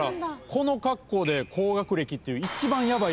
この格好で高学歴っていう。